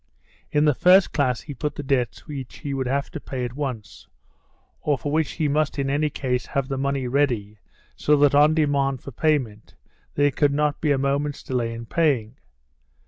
In the first class he put the debts which he would have to pay at once, or for which he must in any case have the money ready so that on demand for payment there could not be a moment's delay in paying.